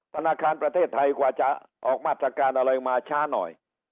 ธนาคารประเทศไทยกว่าจะออกมาตรการอะไรมาช้าหน่อย